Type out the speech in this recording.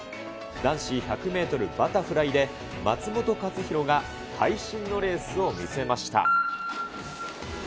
男子１００メートルバタフライで、松元克央が会心のレースを見せました。